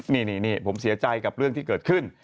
นี่ผมเสียใจกับเรื่องที่เกิดขึ้น